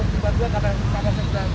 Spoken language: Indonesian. tidak ada asap panas bawah